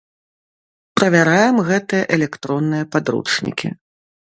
Правяраем гэтыя электронныя падручнікі.